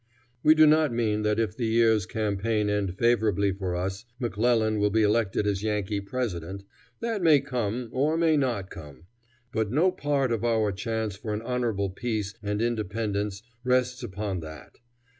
We do not mean that if the year's campaign end favorably for us, McClellan will be elected as Yankee President. That may come, or may not come; but no part of our chance for an honorable peace and independence rests upon that.